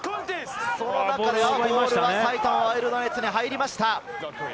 ボールは埼玉ワイルドナイツに入りました。